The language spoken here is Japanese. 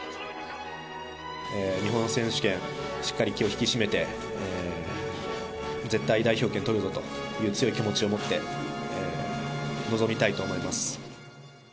日本選手権、しっかり気を引き締めて、絶対代表権取るぞという強い気持ちを持って臨みたいと思います。